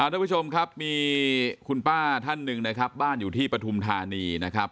ทุกผู้ชมครับมีคุณป้าท่านหนึ่งนะครับบ้านอยู่ที่ปฐุมธานีนะครับ